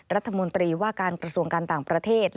รัฐมนตรีว่าการกระทรวงการต่างประเทศ